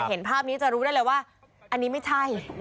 เห็นภาพนี้จะรู้ได้เลยว่าอันนี้ไม่ใช่